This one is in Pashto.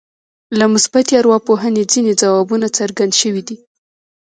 له مثبتې ارواپوهنې ځينې ځوابونه څرګند شوي دي.